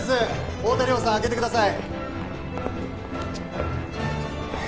太田梨歩さん開けてください